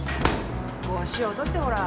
腰落としてほら。